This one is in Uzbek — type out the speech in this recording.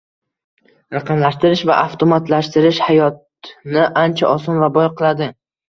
Raqamlashtirish va avtomatlashtirish hayotni ancha oson va boy qiladi